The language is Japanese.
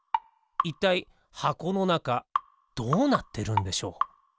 いったいはこのなかどうなってるんでしょう？